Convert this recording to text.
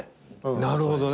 なるほどね。